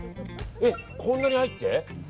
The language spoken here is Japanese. こんなに入って？